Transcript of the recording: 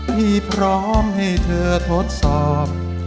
พี่พร้อมให้เธอทดสอบ